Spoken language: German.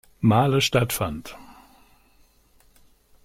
Male stattfand.